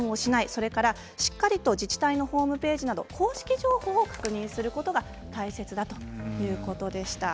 それから、しっかりと自治体のホームページなど公式情報を確認することが大切ということでした。